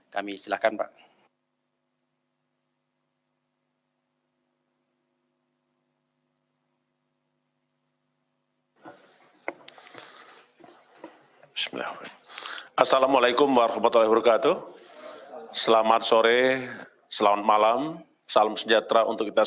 kami silakan pak